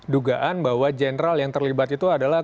dugaan bahwa general yang terlibat itu adalah